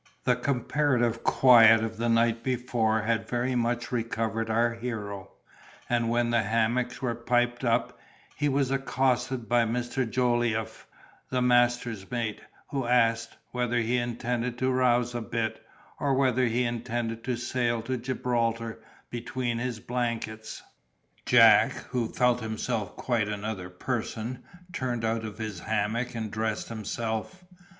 The comparative quiet of the night before had very much recovered our hero, and when the hammocks were piped up, he was accosted by Mr. Jolliffe, the master's mate, who asked "whether he intended to rouse a bit, or whether he intended to sail to Gibraltar between his blankets." Jack, who felt himself quite another person, turned out of his hammock and dressed himself.